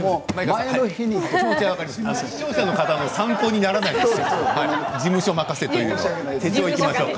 あの視聴者の方に参考にならないので事務所任せだと。